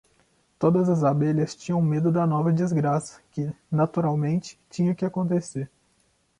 Todas as abelhas tinham medo da nova desgraça que, naturalmente, tinha que acontecer.